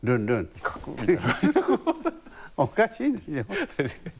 おかしいでしょ。